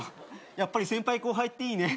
やっぱり先輩後輩っていいね。